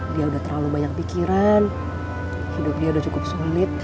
dia udah terlalu banyak pikiran hidup dia udah cukup sulit